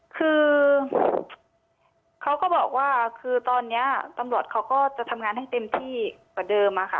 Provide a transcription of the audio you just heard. คือเขาก็บอกว่าคือตอนนี้ตำรวจเขาก็จะทำงานให้เต็มที่กว่าเดิมอะค่ะ